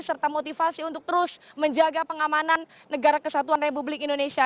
serta motivasi untuk terus menjaga pengamanan negara kesatuan republik indonesia